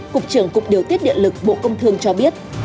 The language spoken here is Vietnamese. cục trưởng cục điều tiết điện lực bộ công thương cho biết